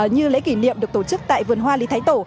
như lễ kỷ niệm được tổ chức tại vườn hoa lý thái tổ